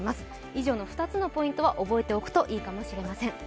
以上の２つのポイントは覚えておくといいかもしれません。